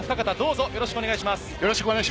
よろしくお願いします。